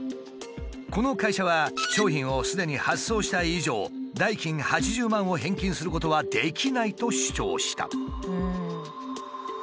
この会社は「商品をすでに発送した以上代金８０万を返金することはできない」と主張した。